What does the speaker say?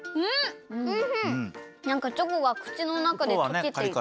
なんかチョコがくちのなかでとけていく。